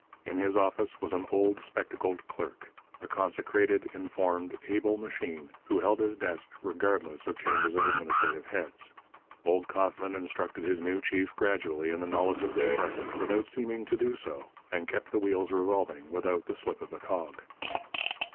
In his office was an old, spectacled clerk a consecrated, informed, able machine, who held his desk regardless of changes of administrative heads. Old Kauffman instructed his new chief gradually in the knowledge of the department without seeming to do so, and kept the wheels revolving without the slip of a cog.